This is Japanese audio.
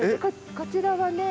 こちらはね